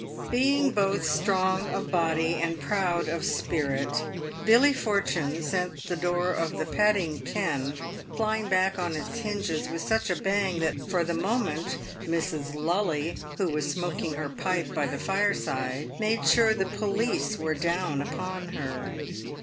Being both strong of body and proud of spirit, Billy Fortune sent the door of the "padding ken" flying back on its hinges with such a bang, that, for the moment, Mrs. Lully, who was smoking her pipe by the fireside, made sure the police were down upon her.